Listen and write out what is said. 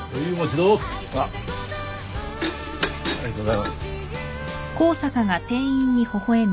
ありがとうございます。